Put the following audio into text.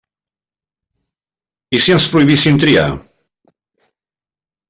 I si ens prohibissin triar?